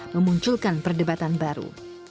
memunculkan perdebatan baru